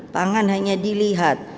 pangan hanya dilihat